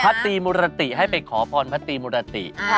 พระธีมุรติให้ไปขอพรพระธีมุรติค่ะ